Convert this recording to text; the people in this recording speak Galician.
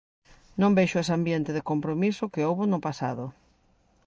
Non vexo ese ambiente de compromiso que houbo no pasado.